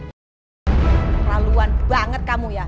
keterlaluan banget kamu ya